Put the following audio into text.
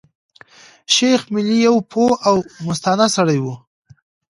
شېخ ملي يو پوه او مستانه سړی وو.